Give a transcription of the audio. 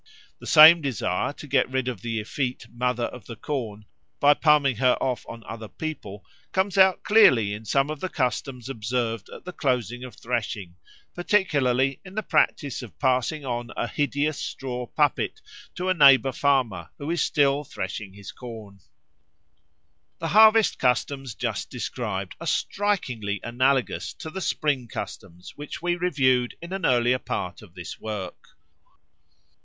The same desire to get rid of the effete Mother of the Corn by palming her off on other people comes out clearly in some of the customs observed at the close of threshing, particularly in the practice of passing on a hideous straw puppet to a neighbour farmer who is still threshing his corn. The harvest customs just described are strikingly analogous to the spring customs which we reviewed in an earlier part of this work.